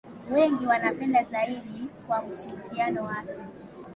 wengi wanampenda zaidi kwa ushirikiano wake